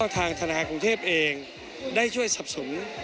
ทางธนาคารกรุงเทพเองได้ช่วยสับสน